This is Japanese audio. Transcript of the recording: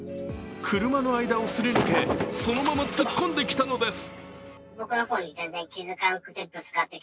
車の間をすり抜け、そのまま突っ込んできたのです。